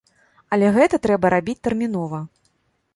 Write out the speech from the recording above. Але гэта трэба рабіць тэрмінова.